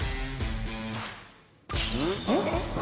えっ？